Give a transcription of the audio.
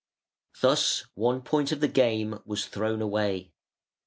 Thus one point of the game was thrown away.